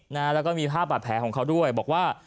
แล้วก็มีภาพบาดแผลของเขาด้วยบอกว่า